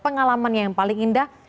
pengalamannya yang paling indah